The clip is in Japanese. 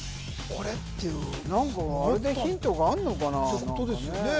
これっていうのあった何かあれでヒントがあんのかな？ってことですよね？